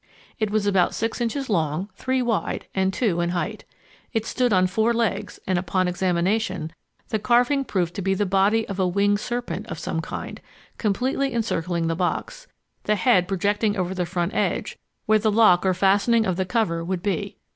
It was about six inches long, three wide, and two in height. It stood on four legs, and, upon examination, the carving proved to be the body of a winged serpent of some kind, completely encircling the box, the head projecting over the front edge where the lock or fastening of the cover would be.